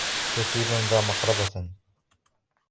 يَتِيمًا ذَا مَقْرَبَةٍ